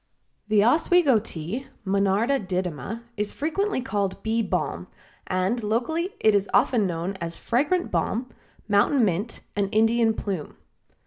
The Oswego Tea (Monarda didyma) is frequently called Bee Balm, and locally it is often known as Fragrant Balm, Mountain Mint and Indian Plume.